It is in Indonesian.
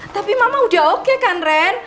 tapi memang udah oke kan ren